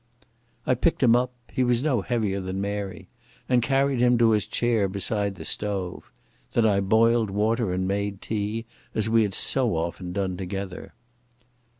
I picked him up—he was no heavier than Mary—and carried him to his chair beside the stove. Then I boiled water and made tea, as we had so often done together.